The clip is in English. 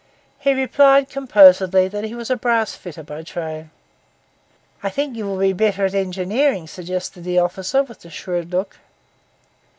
He replied composedly that he was a brass fitter by trade. 'I think you will be better at engineering?' suggested the officer, with a shrewd look.